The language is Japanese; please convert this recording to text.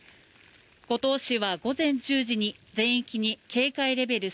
五島市は午前１０時に全域に警戒レベル